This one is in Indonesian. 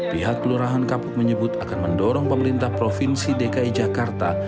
pihak kelurahan kapuk menyebut akan mendorong pemerintah provinsi dki jakarta